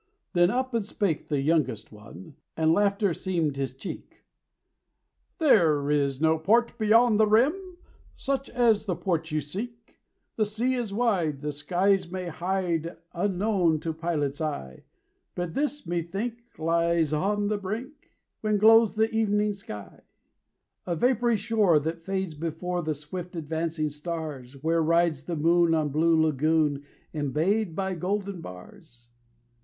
Then up and spake the youngest one And laughter seamed his cheek "There is no port beyond the rim, Such as the port you seek. "The sea is wide, and isles may hide Unknown to pilot's eye; But this, methink, lies on the brink, When glows the ev'ning sky: "A vapory shore that fades before The swift advancing stars; Where rides the moon on blue lagoon Embayed by golden bars."